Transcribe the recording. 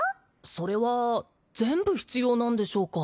それは全部必要なんでしょうか？